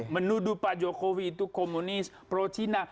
menuduh pak jokowi itu komunis pro cina